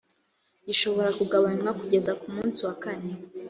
gishobora kugabanywa kugeza ku musi wakane